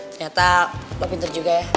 ternyata mah pinter juga ya